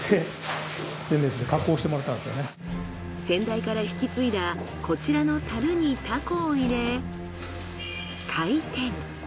先代から引き継いだこちらの樽にタコを入れ回転。